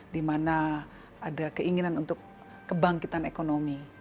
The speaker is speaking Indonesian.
di mana ada keinginan untuk kebangkitan ekonomi